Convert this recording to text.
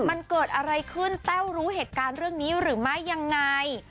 มันเกิดอะไรขึ้นแต้วรู้เหตุการณ์เรื่องนี้หรือไม่ยังไง